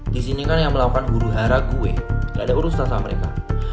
disini kan yang melakukan guruhara gue gak ada urus rasa mereka